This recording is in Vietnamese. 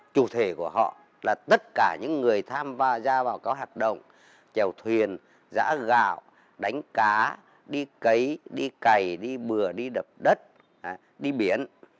chủ thể của họ là tất cả những người tham gia ra vào các hoạt động trèo thuyền giã gạo đánh cá đi cấy đi cày đi bừa đi đập đất đi biển